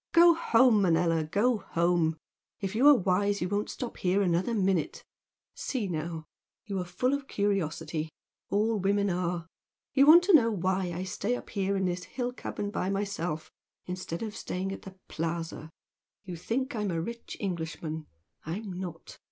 Go home, Manella, go home! If you are wise you won't stop here another minute! See now! You are full of curiosity all women are! You want to know why I stay up here in this hill cabin by myself instead of staying at the 'Plaza.' You think I'm a rich Englishman. I'm not.